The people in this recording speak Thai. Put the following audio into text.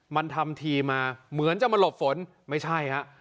มันทำทีมาเหมือนจะมาหลบฝนไม่ใช่ฮะ